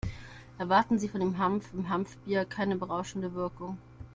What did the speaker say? Erwarten Sie von dem Hanf im Hanfbier keine berauschende Wirkung.